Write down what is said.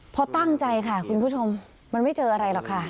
พอตั้งใจค่ะคุณผู้ชมมันไม่เจออะไรหรอกค่ะ